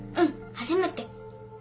初めて。